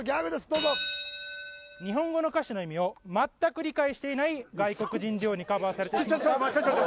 どうぞ日本語の歌詞の意味を全く理解していない外国人デュオにカバーされてしまったちょちょっ